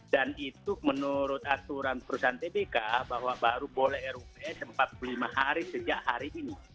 dan itu menurut aturan perusahaan pbk bahwa baru boleh rups empat puluh lima hari sejak hari ini